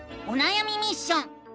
おなやみミッション！